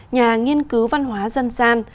nhà nghiên cứu văn hóa dân gian